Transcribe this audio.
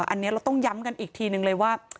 อันนี้เราต้องย้ำกันอีกทีนึงเลยว่า